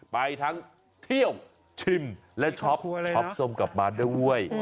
ไปทั้งเที่ยวชิมและช็อปช็อปส้มกลับมาด้วย